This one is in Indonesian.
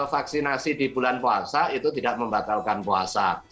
vaksinasi di bulan puasa itu tidak membatalkan puasa